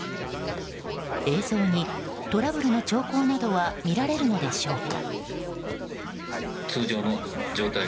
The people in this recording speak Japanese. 映像にトラブルの兆候などは見られるのでしょうか。